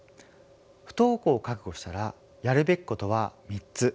不登校を覚悟したらやるべきことは３つ。